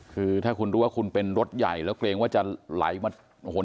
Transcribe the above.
คือถ้าคุณรู้ว่าคุณเป็นรถใหญ่แล้วเกรงว่าจะไหลมาโอ้โห